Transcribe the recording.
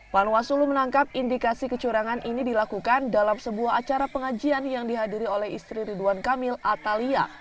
panwasulu menangkap indikasi kecurangan ini dilakukan dalam sebuah acara pengajian yang dihadiri oleh istri ridwan kamil atalia